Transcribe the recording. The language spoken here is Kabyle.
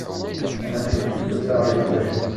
Anamek n tefgurt-a ur iban d acu-t.